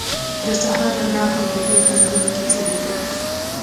د سهار رڼا هم د دوی په زړونو کې ځلېده.